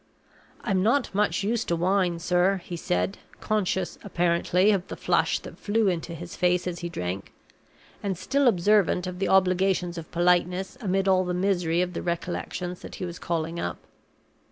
"I'm not much used to wine, sir," he said, conscious, apparently, of the flush that flew into his face as he drank, and still observant of the obligations of politeness amid all the misery of the recollections that he was calling up.